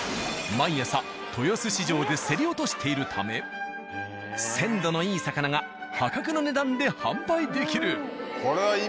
毎朝豊洲市場で競り落としているため鮮度のいい魚が破格の値段で販売できる。